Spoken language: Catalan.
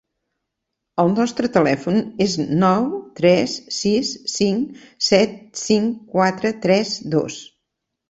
El nostre telèfon és nou tres sis cinc set cinc quatre tres dos.